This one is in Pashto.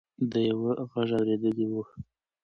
ده یو غږ اورېدلی و.